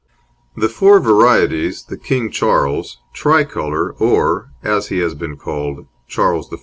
The four varieties the King Charles, Tricolour or (as he has been called) Charles I.